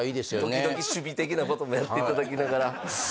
時々、守備的なこともやっていただきながら。